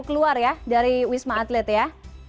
keluar ya dari wisma atlet ya